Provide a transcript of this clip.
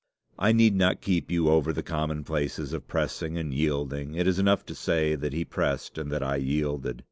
I need not keep you over the commonplaces of pressing and yielding. It is enough to say that he pressed and that I yielded.